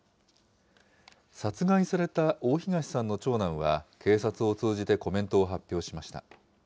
殺害された大東さんの長男は警察を通じてコメントを発表しました。